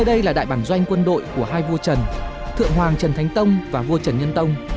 đây là đại bản doanh quân đội của hai vua trần thượng hoàng trần thánh tông và vua trần nhân tông